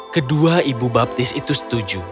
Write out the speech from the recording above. kedua ibu baptis itu setuju